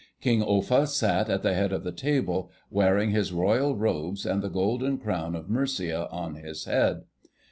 King Offa sat at the head of the table, wearing his royal robes and the golden crown of Mercia on his head.